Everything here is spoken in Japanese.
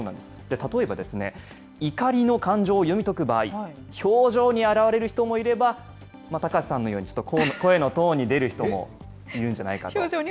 例えば、怒りの感情を読み解く場合、表情に表れる人もいれば、また高瀬さんのように、声のトーンに出る人もいるんじゃないかと。